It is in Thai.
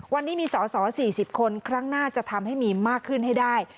วันนี้มีสอสอ๔๐คนครั้งหน้าจะทำให้มีมากขึ้นให้ได้